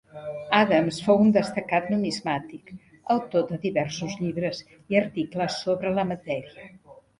Adams fou un destacat numismàtic, autor de diversos llibres i articles sobre la matèria.